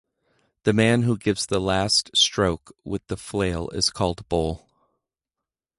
The man who gives the last stroke with the flail is called Bull.